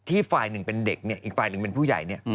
อีกฝ่ายหนึ่งเป็นผู้ใหญ่เนี่ย